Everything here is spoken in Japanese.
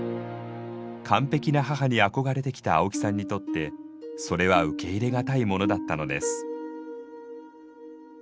完璧な母に憧れてきた青木さんにとってそれは受け入れ難いものだったのです。